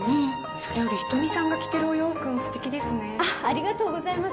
それより人見さんが着てるお洋服もすてきですねあっありがとうございます